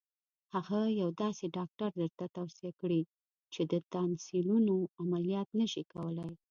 هغه یو داسې ډاکټر درته توصیه کړي چې د تانسیلونو عملیات نه شي کولای.